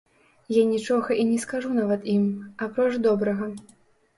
Я нічога і не скажу нават ім, апроч добрага.